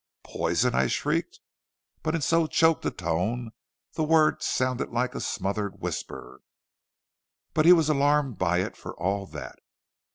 "'Poison!' I shrieked, but in so choked a tone the word sounded like a smothered whisper. "But he was alarmed by it for all that.